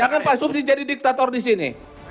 jangan pak subdi jadi diktator di sini